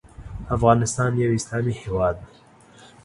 افغانستان یو اسلامې هیواد ده